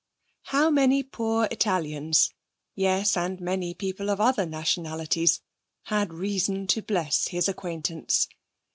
How many poor Italians yes, and many people of other nationalities had reason to bless his acquaintance!